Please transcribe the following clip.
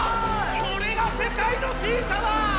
これが世界のＴ社だ！